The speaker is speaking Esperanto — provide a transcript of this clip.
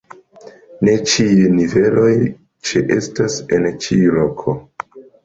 Ne ĉiuj niveloj ĉeestas en ĉiu loko.